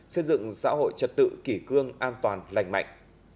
xây dựng xã hội trật tự kỷ cương an toàn lành mạnh